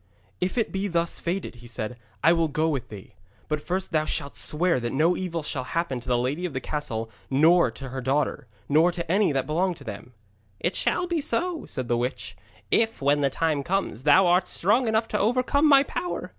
'If it be thus fated,' he said, 'I will go with thee. But first thou shalt swear that no evil shall happen to the lady of this castle nor to her daughter, nor to any that belong to them.' 'It shall be so,' said the witch, 'if, when the time comes, thou art strong enough to overcome my power.